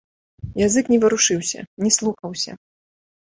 Язык не варушыўся, не слухаўся.